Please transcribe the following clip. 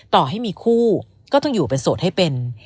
ต่อให้มีคู่ก็ต้องอยู่เป็นโสดให้เป็น